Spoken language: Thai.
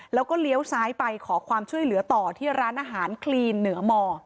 แล้วก็เลี้ยวซ้ายไปขอความช่วยเหลือต่อที่ร้านอาหารคลีนเหนือม